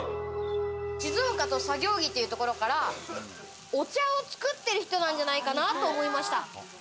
静岡と作業着というところから、お茶を作ってる人なんじゃないかなと思いました。